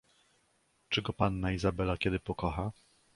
"czy go panna Izabela kiedy pokocha?..."